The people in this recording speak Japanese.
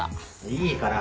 いいから。